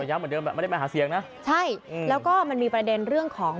ใช่แล้วก็มันมีประเด็นเรื่องของ